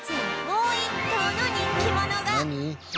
もう１頭の人気者が